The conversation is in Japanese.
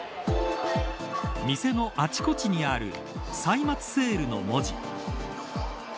店のあちこちにある歳末セールの文字。